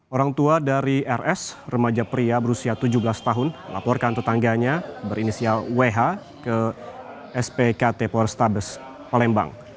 orang tua dari rs remaja pria berusia tujuh belas tahun melaporkan tetangganya berinisial wh ke spkt polrestabes palembang